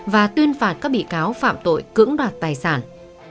và tuyên phạt các bị cáo phạm tội cưỡng đoạt tài sản